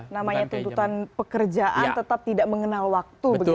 namanya tuntutan pekerjaan tetap tidak mengenal waktu